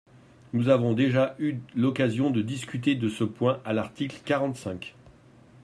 Nous avons déjà eu l’occasion de discuter de ce point à l’article quarante-cinq.